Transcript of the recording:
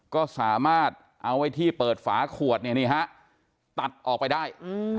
ก็สามารถเอาไว้ที่เปิดฝาขวดเนี่ยนี่ฮะตัดออกไปได้